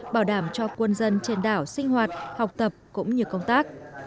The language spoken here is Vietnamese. bảo đảm cho quân dân trên đảo sinh hoạt học tập cũng như công tác